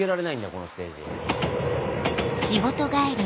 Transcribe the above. このステージ。